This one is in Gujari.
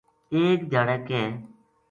ایک دھیاڑے کِ